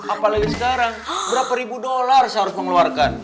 apalagi sekarang berapa ribu dolar saya harus mengeluarkan